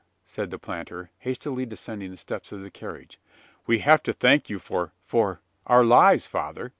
said the planter, hastily descending the steps of the carriage, "we have to thank you for for " "Our lives, father!"